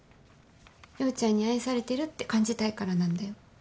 陽ちゃんに愛されてるって感じたいからなんだよ。